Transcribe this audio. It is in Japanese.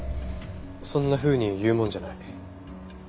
そんなふうに言うもんじゃない。